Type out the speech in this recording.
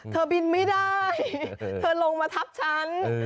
บินไม่ได้เธอลงมาทับฉัน